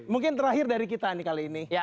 mungkin terakhir dari kita nih kali ini